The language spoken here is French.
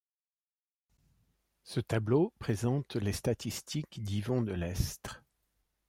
Ce tableau présente les statistiques d'Yvon Delestre.